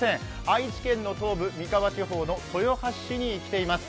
愛知県の東部、三河地方の豊橋市に来ています。